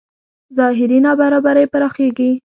ظاهري نابرابرۍ پراخېږي.